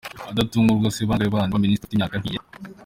Adatungurwa se bangahe bandi ba Minister bafite imyaka nk'iye?.